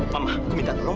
mama aku minta tolong